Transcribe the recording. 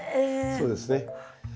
そうですね。